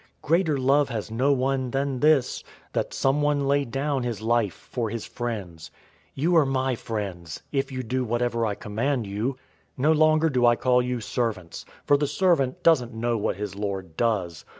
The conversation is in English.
015:013 Greater love has no one than this, that someone lay down his life for his friends. 015:014 You are my friends, if you do whatever I command you. 015:015 No longer do I call you servants, for the servant doesn't know what his lord does.